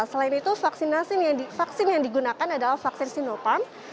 selain itu vaksin yang digunakan adalah vaksin sinoparm